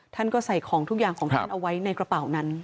ท่านก็ใส่ของทุกอย่างของท่านเอาไว้ในกระเป๋านั้น